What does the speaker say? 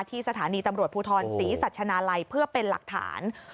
ที่สถานีตำรวจภูทรศรีสัชนาลัยเพื่อเป็นหลักฐาน